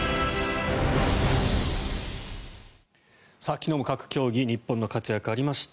昨日も各競技日本の活躍ありました。